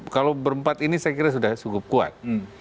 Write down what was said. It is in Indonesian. kalau berempat ini saya kira sudah cukup kuat